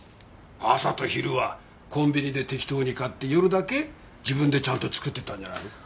朝と昼はコンビニで適当に買って夜だけ自分でちゃんと作ってたんじゃないのか？